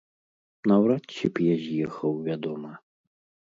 Наўрад ці б я з'ехаў, вядома.